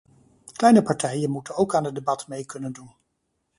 Kleine partijen moeten ook aan het debat mee kunnen doen.